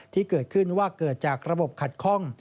ที่เกิดขึ้นว่าเกิดจากระบบขัดคล่อง